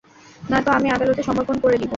নয়তো আমি আদালতে সমর্পণ করে দিবো।